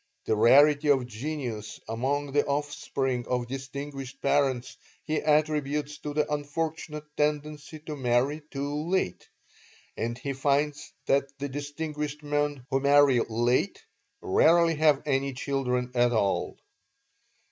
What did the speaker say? The rarity of genius among the offspring of distinguished parents he attributes to the unfortunate tendency to marry too late; and he finds that the distinguished men who marry late rarely have any children at all.